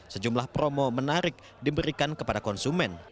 sejumlah promo menarik diberikan kepada konsumen